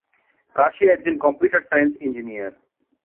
কাশী একজন computer science engineer.